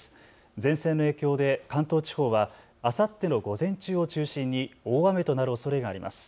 前線の影響で関東地方はあさっての午前中を中心に大雨となるおそれがあります。